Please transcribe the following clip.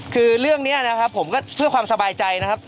คือเรื่องนี้นะครับผมก็เพื่อความสบายใจนะครับ